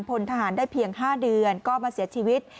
พลทหารได้เพียง๕เดือนก็มาเสียชีวิต